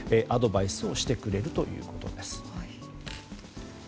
アドバイスをしてくれるということです。